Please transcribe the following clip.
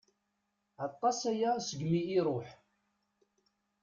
Aṭas aya segmi i iruḥ.